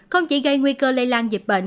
không chỉ gây nguy cơ lây lan dịch bệnh